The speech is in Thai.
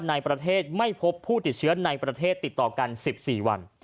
ในประเทศไม่พบผู้ติดเชื้อในประเทศติดต่อกัน๑๔วัน